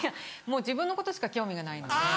もう自分のことしか興味がないので。